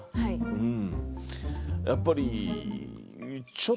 うん。